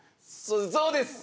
そうです！